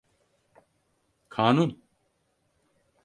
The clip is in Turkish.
Kanun…